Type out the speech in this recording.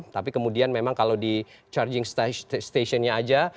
tapi kemudian memang kalau di charging stationnya aja